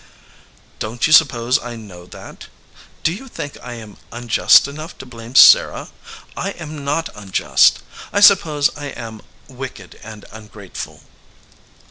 "Don t you suppose I know that ? Do you think I am unjust enough to blame Sarah? I am not un just; I suppose I am wicked and ungrateful."